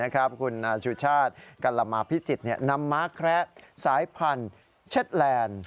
คุณอาชุชาติกัลละมาพิจิตรนำม้าแคระสายพันธุ์เช็ดแลนด์